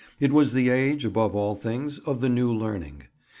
It was the age, above all things, of the new learning.